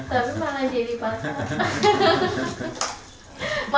tapi mana jadi pak